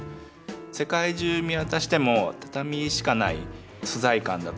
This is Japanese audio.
世界中見渡しても畳しかない素材感だとか